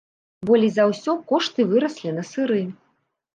Болей за ўсё кошты выраслі на сыры.